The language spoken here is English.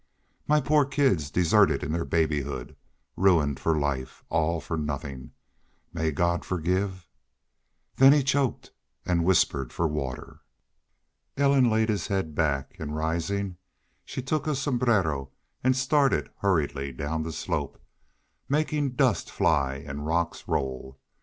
My poor kids deserted in their babyhood ruined for life! All for nothin'.... May God forgive " Then he choked and whispered for water. Ellen laid his head back and, rising, she took his sombrero and started hurriedly down the slope, making dust fly and rocks roll.